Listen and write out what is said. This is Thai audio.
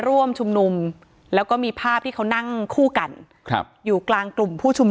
ร่วมชุมนุมแล้วก็มีภาพที่เขานั่งคู่กันครับอยู่กลางกลุ่มผู้ชุมนุม